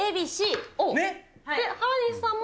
原西さんも？